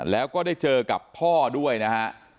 แล้วก็ได้เจอกับพ่อด้วยนะฮะ